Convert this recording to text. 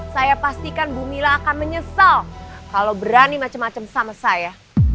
saya pastikan bu mila akan menyesal kalau berani macam macam sama saya